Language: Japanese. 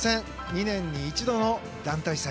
２年に一度の団体戦。